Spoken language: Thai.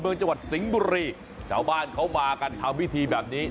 เมืองจังหวัดศิงบุรีเฉ่าบ้านเขามากันเท่าวิธีแบบนี้